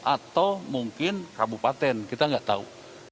atau mungkin kabupaten kita nggak tahu